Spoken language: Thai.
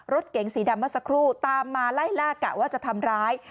รถเก๋งสีดำเมื่อสักครู่ตามมาไล่ล่ากะว่าจะทำร้าย